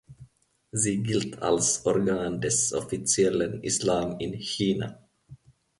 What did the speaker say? Sie gilt als „Organ des offiziellen Islam in China“.